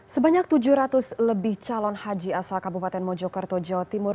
sebanyak tujuh ratus lebih calon haji asal kabupaten mojokerto jawa timur